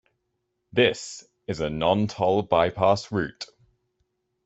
This is a non-toll bypass route.